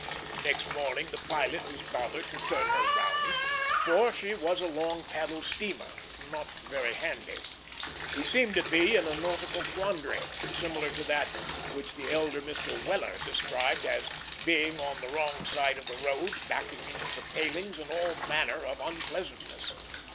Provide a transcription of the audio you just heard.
The next morning the pilot was bothered to turn her round, for she was a long paddle steamer, not very handy. He seemed to be in a nautical quandary, similar to that which the elder Mr. Weller described as "being on the wrong side of the road, backing into the palings, and all manner of unpleasantness."